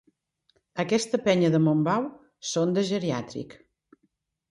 Aquesta penya de Montbau són de geriàtric.